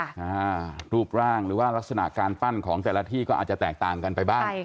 อ่ารูปร่างหรือว่ารักษณะการปั้นของแต่ละที่ก็อาจจะแตกต่างกันไปบ้างใช่ค่ะ